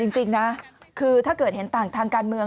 จริงนะคือถ้าเกิดเห็นต่างทางการเมือง